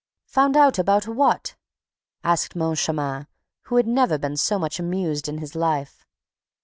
"Found out about what?" asked Moncharmin, who had never been so much amused in his life.